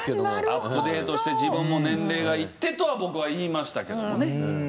アップデートして自分も年齢がいってとは僕は言いましたけどもね。